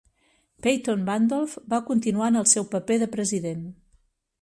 Peyton Randolph va continuar en el seu paper de president.